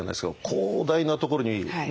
広大なところにね